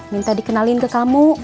minta dikenalin ke kamu